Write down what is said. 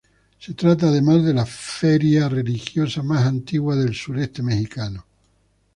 Se trata además de la feria religiosa más antigua del sureste mexicano.